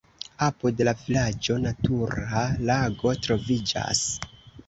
Apud la vilaĝo natura lago troviĝas.